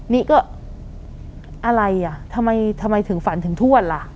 นี่ก็อะไรอ่ะทำไมถึงฝันถึงทวดล่ะ